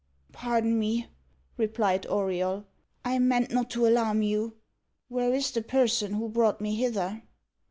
"Pardon me," replied Auriol; "I meant not to alarm you. Where is the person who brought me hither?"